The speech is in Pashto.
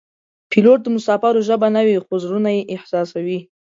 پیلوټ د مسافرو ژبه نه وي خو زړونه یې احساسوي.